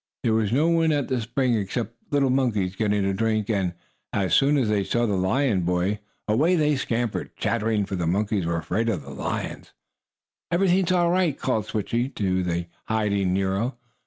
There was no one at the spring except some little monkeys, getting a drink, and as soon as they saw the lion boy away they scampered, chattering, for the monkeys were afraid of the lions. "Everything is all right!" called Switchie to the hiding Nero.